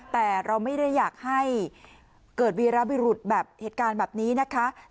แต่เราไม่ได้อยากให้เกิดวีรบุรุษแบบเหตุการณ์แบบนี้นะคะ